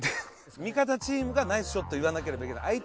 味方チームがナイスショットを言わなければいけない。